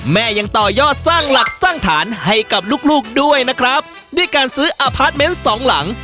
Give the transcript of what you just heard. แม่ยังต่อยอดสร้างหลักสร้างฐานให้กับลูกลูกด้วยนะครับด้วยการซื้ออพาร์ทเมนต์สองหลัง